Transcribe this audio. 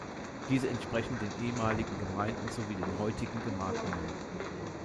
Diese entsprechen den ehemaligen Gemeinden sowie den heutigen Gemarkungen.